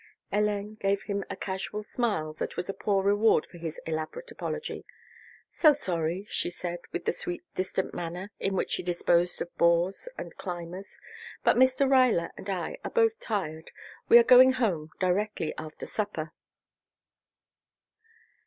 Hélène gave him a casual smile that was a poor reward for his elaborate apology. "So sorry," she said with the sweet distant manner in which she disposed of bores and climbers, "but Mr. Ruyler and I are both tired. We are going home directly after supper."